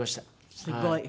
すごい！